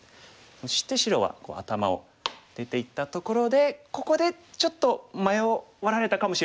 そして白は頭を出ていったところでここでちょっと迷われたかもしれないです。